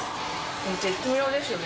絶妙ですよね